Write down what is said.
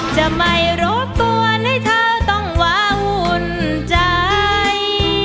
จะไม่รบกวนให้เธอต้องวาวุ่นใจ